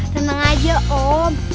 tenang aja om